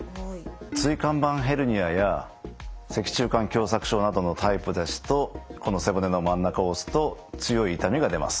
椎間板ヘルニアや脊柱管狭窄症などのタイプですとこの背骨の真ん中を押すと強い痛みが出ます。